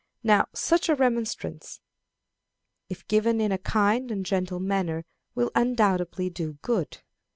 Now such a remonstrance, if given in a kind and gentle manner, will undoubtedly do good.